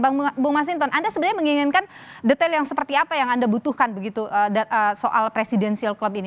bang bung masinton anda sebenarnya menginginkan detail yang seperti apa yang anda butuhkan begitu soal presidensial club ini